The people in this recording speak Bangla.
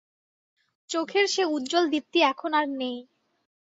চোখের সে উজ্জ্বল দীপ্তি এখন আর নেই।